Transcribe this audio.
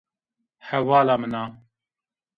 Hevala min a